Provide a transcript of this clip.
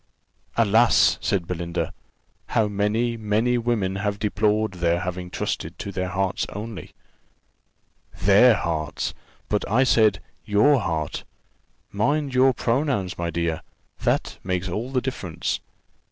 "Alas!" said Belinda, "how many, many women have deplored their having trusted to their hearts only." "Their hearts! but I said your heart: mind your pronouns, my dear; that makes all the difference.